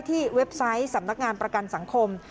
เว็บไซต์สำนักงานประกันสังคม